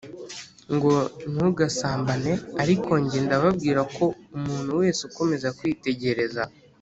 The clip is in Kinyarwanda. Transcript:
Ngo ntugasambane ariko jye ndababwira ko umuntu wese ukomeza kwitegereza